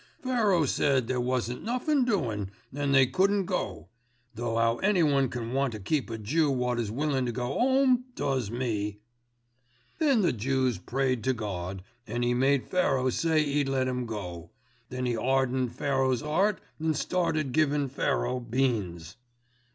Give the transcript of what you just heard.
"Pharaoh said there wasn't nothin' doin', an' they couldn't go. Though 'ow anyone can want to keep a Jew wot is willin' to go 'ome does me. "Then the Jews prayed to Gawd, and 'E made Pharaoh say 'e'd let 'em go. Then 'E 'ardened Pharaoh's 'eart an' started givin' Pharaoh beans."